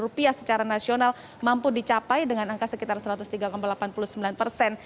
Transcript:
rp empat puluh sembilan triliun secara nasional mampu dicapai dengan angka sekitar satu ratus tiga delapan puluh sembilan persen